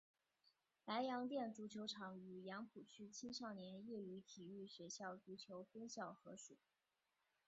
白洋淀足球场与杨浦区青少年业余体育学校足球分校合署。